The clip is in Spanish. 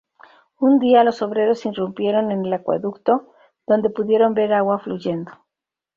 Un día, los obreros irrumpieron en el acueducto, donde pudieron ver agua fluyendo.